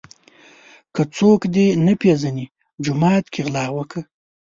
ـ که څوک دې نه پیژني جومات کې غلا وکړه.